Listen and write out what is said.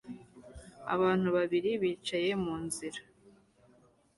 Abantu babiri bicaye munzira